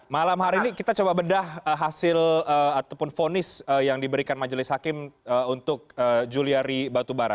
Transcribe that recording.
malam hari ini kita coba bedah hasil ataupun fonis yang diberikan majelis hakim untuk juliari batubara